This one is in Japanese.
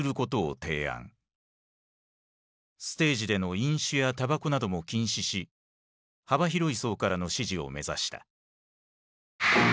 ステージでの飲酒やたばこなども禁止し幅広い層からの支持を目指した。